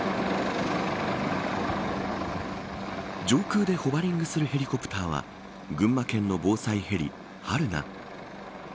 上空でホバリングするヘリコプターは群馬県の防災ヘリ、はるな。